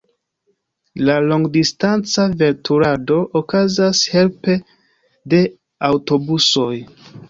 La longdistanca veturado okazas helpe de aŭtobusoj.